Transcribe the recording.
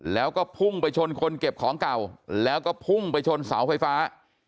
แล้วก็พุ่งไปชนคนเก็บของเก่าแล้วก็พุ่งไปชนเสาไฟฟ้า